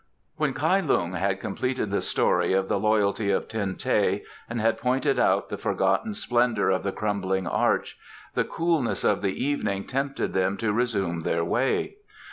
* When Kai Lung had completed the story of the loyalty of Ten teh and had pointed out the forgotten splendour of the crumbling arch, the coolness of the evening tempted them to resume their way.